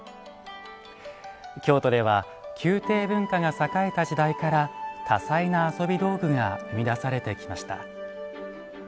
京都では宮廷文化が栄えた時代から多彩な遊び道具が生み出されてきました。